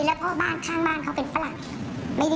แล้วก็บ้านข้างบ้านเขาเป็นฝรั่ง